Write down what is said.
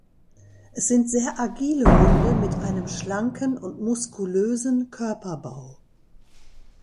Es sind sehr agile Hunde mit einem schlanken und muskulösen Körperbau.